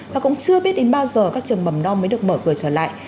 và cũng chưa biết đến bao giờ các trường mầm non mới được mở cửa trở lại